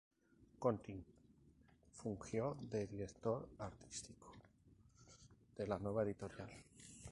Conti fungió de director artístico de la nueva editorial.